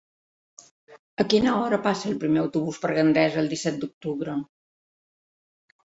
A quina hora passa el primer autobús per Gandesa el disset d'octubre?